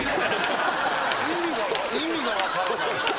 意味が分からないですよ。